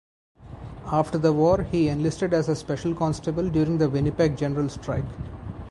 After the war, he enlisted as a special constable during the Winnipeg General Strike.